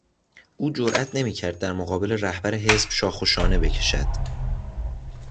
او جرات نمیکرد در مقابل رهبر حزب شاخ و شانه بکشد.